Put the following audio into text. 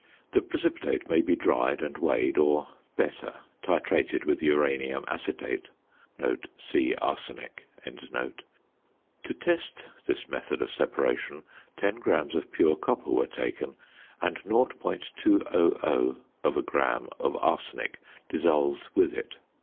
The precipitate may be dried and weighed, or, better, titrated with uranium acetate. (See Arsenic.) To test this method of separation 10 grams of pure copper were taken and 0.200 gram of arsenic dissolved with it.